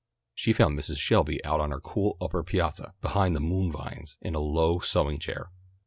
She found Mrs. Shelby out on her cool upper piazza, behind the moon vines, in a low sewing chair.